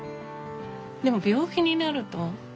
でも病気になると。